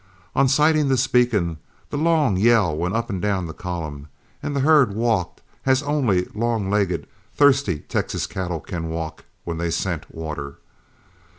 On sighting this beacon, the long yell went up and down the column, and the herd walked as only long legged, thirsty Texas cattle can walk when they scent water.